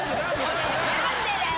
何でだよ！